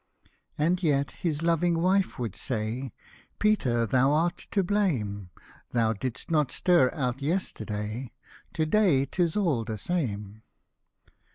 And yet his loving wife would say, " Peter, thou art to blame ; Thou didst not stir out yesterday, To day 'tis all the same."